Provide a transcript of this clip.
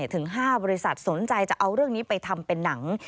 ถึง๕บริษัทสนใจจะเอาเรื่องนี้ไปทำเป็นหนัง